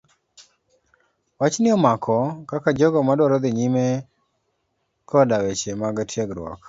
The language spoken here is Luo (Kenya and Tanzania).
Wach ni omako kaka jogo madwaro dhi nyime koda weche mag tiegruok.